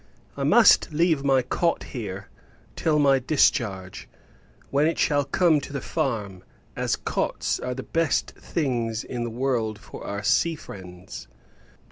I must leave my cot here, till my discharge, when it shall come to the farm, as cots are the best things in the world for our sea friends.